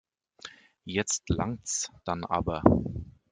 Jetzt langt's dann aber.